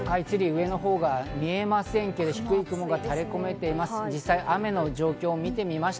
上のほうが見えませんけど、低い雲が垂れ込めています。